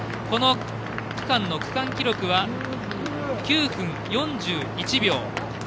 この区間の区間記録は９分４１秒。